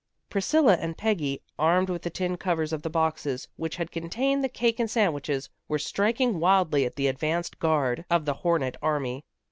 Priscilla and Peggy, armed with the tin covers of the boxes which had contained the cake and sandwiches, were striking wildly at the advance guard of the hornet army.